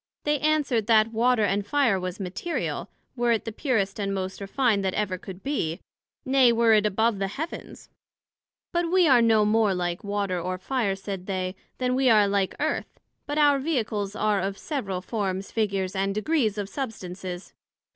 They answered, that Water and Fire was material, were it the purest and most refined that ever could be; nay, were it above the Heavens: But we are no more like Water or Fire, said they, then we are like Earth; but our Vehicles are of several forms, figures and degrees of substances.